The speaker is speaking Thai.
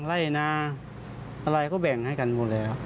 ไล่นาอะไรก็แบ่งให้กันหมดแล้ว